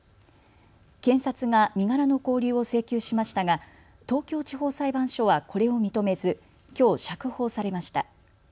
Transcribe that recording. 検察が身柄の勾留を請求しましたが東京地方裁判所はこれを認めずきょう釈放されました。